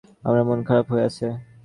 আমার মন খারাপ হয়ে আছে।